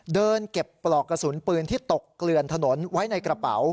เดินเก็บปลอกกระสุนปืนที่ตกเกลือนถนนไว้ในกระเป๋า